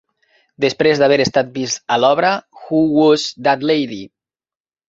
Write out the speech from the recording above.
Després d'haver estat vist a l'obra "Who Was That Lady?"